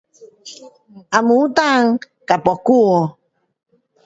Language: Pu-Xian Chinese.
红毛丹跟木瓜